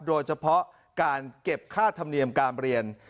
โดยเฉพาะการเก็บค่าธรรมเนียมการเรียน